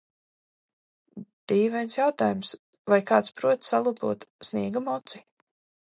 Dīvains jautājums: vai kāds prot salabot sniegamoci?